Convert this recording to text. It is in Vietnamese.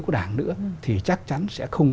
của đảng nữa thì chắc chắn sẽ không